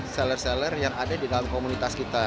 seller seller yang ada di dalam komunitas kita